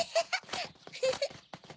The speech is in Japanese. フフフ。